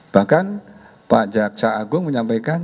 bahkan pak jaksa agung menyampaikan